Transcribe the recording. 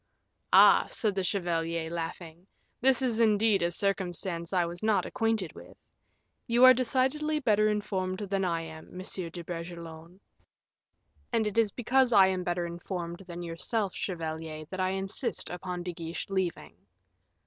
"Ah!" said the chevalier, laughing, "this is indeed a circumstance I was not acquainted with. You are decidedly better informed than I am, Monsieur de Bragelonne." "And it is because I am better informed than yourself, chevalier, that I insist upon De Guiche leaving."